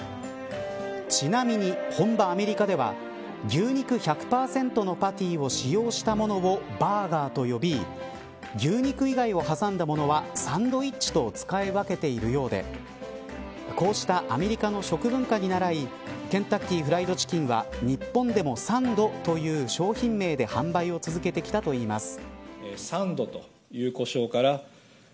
ちなみに、本場アメリカでは牛肉１００％のパティを使用したものをバーガーと呼び牛肉以外をはさんだものはサンドイッチと使い分けているようでこうしたアメリカの食文化にならいケンタッキーフライドチキンは日本でもサンドという商品名で販売を続けてきたといいます。